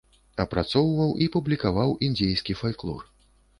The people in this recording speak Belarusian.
Апрацоўваў і публікаваў індзейскі фальклор.